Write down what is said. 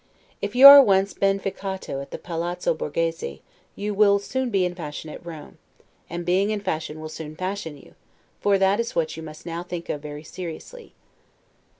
If you are once 'ben ficcato' at the Palazzo Borghese, you twill soon be in fashion at Rome; and being in fashion will soon fashion you; for that is what you must now think of very seriously.